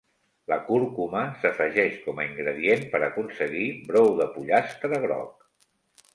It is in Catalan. La cúrcuma s'afegeix com a ingredient per aconseguir brou de pollastre groc.